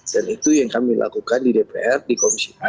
dan itu yang kami lakukan di dpr di komisi enam